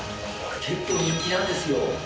結構人気なんですよ。